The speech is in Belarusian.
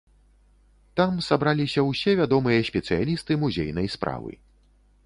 Там сабраліся ўсе вядомыя спецыялісты музейнай справы.